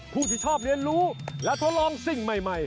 ผู้ที่ชอบเรียนรู้และทดลองสิ่งใหม่